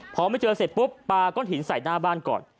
พอไม่เจอเสร็จปุ๊บปลาก้อนหินใส่หน้าบ้านก่อน